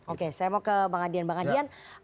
oke saya mau ke bang adian